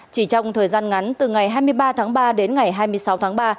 chỉ trong thời gian ngắn từ ngày hai mươi ba tháng ba đến ngày hai mươi sáu tháng ba